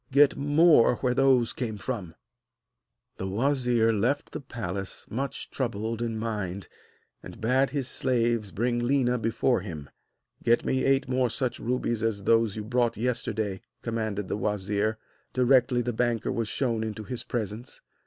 Get more where those came from.' The wazir left the palace, much troubled in mind, and bade his slaves bring Léna before him. 'Get me eight more such rubies as those you brought yesterday,' commanded the wazir, directly the banker was shown into his presence.